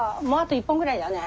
もうあと１本くらいで。